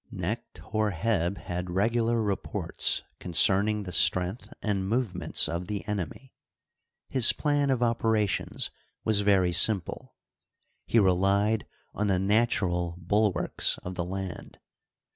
Neclit Hor heb had regular reports concerning the strength and movements of the enemy. His plan of op erations was very simple : he relied on the natural bul warks of the land.